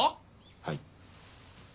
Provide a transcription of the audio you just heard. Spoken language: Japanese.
はい。